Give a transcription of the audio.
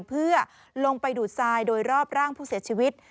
เพื่อลงไปดูดทรายโดยรอบร่างผู้เสียชีวิต